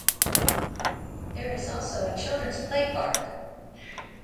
There is also a children's play park.